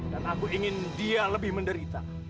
dan aku ingin dia lebih menderita